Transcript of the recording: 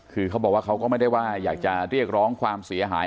คือเขาบอกว่าเขาก็ไม่ได้ว่าอยากจะเรียกร้องความเสียหาย